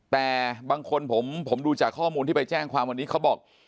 แต่บางคนผมดูจากข้อมูลที่ไปแจ้งความวันนี้เขาบอก